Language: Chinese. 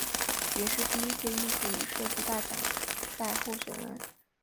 也是第一届艺术与设计大奖赛候选人。